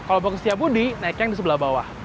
kalau mau ke setiapudi naik yang di sebelah bawah